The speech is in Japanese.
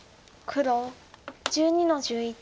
黒１２の十一。